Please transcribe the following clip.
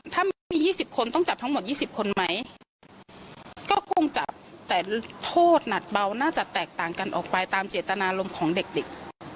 ถ้ามันไม่มี๒๐คนต้องจับทั้งหมด๒๐คนไหมก็คงจับแต่โทษหนักเบาน่าจะแตกต่างกันออกไปตามเจตนารมณ์ของเด็กเด็ก